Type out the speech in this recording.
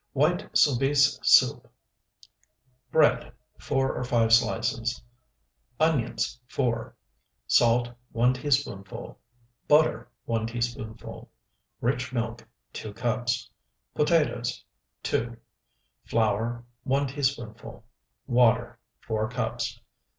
WHITE SOUBISE SOUP Bread, 4 or 5 slices. Onions, 4. Salt, 1 teaspoonful. Butter, 1 teaspoonful. Rich milk, 2 cups. Potatoes, 2. Flour, 1 teaspoonful. Water, 4 cups.